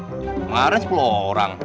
pengaruhnya sepuluh orang